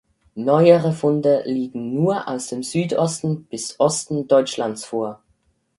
Neuere Funde liegen nur aus dem Südosten bis Osten Deutschlands vor.